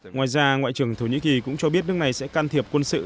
ngoài ra ngoại trưởng thổ nhĩ kỳ cũng cho biết nước này sẽ can thiệp quân sự